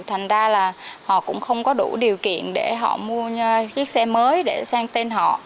thành ra là họ cũng không có đủ điều kiện để họ mua chiếc xe mới để sang tên họ